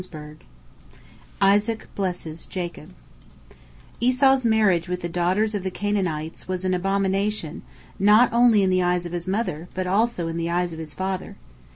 " ISAAC BLESSES JACOB Esau's marriage with the daughters of the Canaanites was an abomination not only in the eyes of his mother, but also in the eyes of his father.